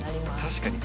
確かに。